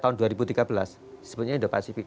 tahun dua ribu tiga belas sebetulnya indo pasifik